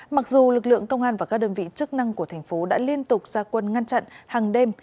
mặc dù lực lượng công an và các đơn vị chức năng của thành phố đã liên tục ra quân ngăn chặn hàng đêm